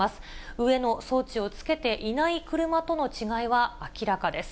上の装置をつけていない車との違いは明らかです。